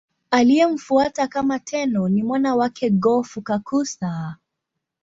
Aliyemfuata kama Tenno ni mwana wake Go-Fukakusa.